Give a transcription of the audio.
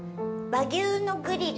和牛のグリル？